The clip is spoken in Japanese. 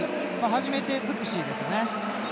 初めてづくしですよね。